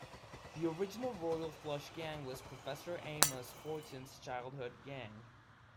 The original Royal Flush Gang was Professor Amos Fortune's childhood gang.